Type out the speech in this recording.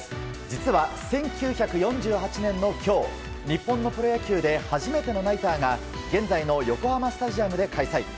実は、１９８４年の今日日本のプロ野球で初めてのナイターが現在の横浜スタジアムで開催。